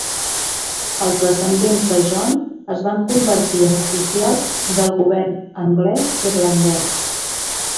Els descendents de John es van convertir en oficials del govern anglès-irlandès.